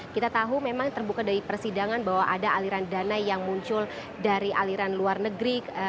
kita tahu memang terbuka dari persidangan bahwa ada aliran dana yang muncul dari aliran luar negeri